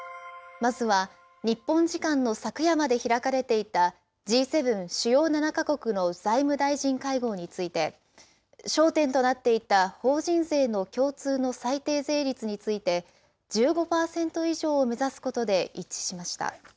まずは日本時間の昨夜まで開かれていた、Ｇ７・主要７か国の財務大臣会合について、焦点となっていた法人税の共通の最低税率について、１５％以上を目指すことで一致しました。